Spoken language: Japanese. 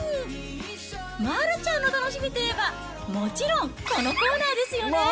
丸ちゃんの楽しみといえば、もちろん、このコーナーですよね。